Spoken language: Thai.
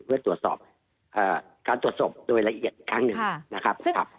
เพื่อตรวจสอบการตรวจสมบัติโดยละเอียดครั้งหนึ่ง